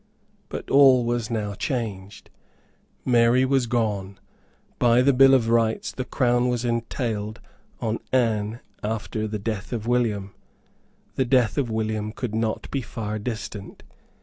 But all was now changed. Mary was gone. By the Bill of Rights the Crown was entailed on Anne after the death of William. The death of William could not be far distant.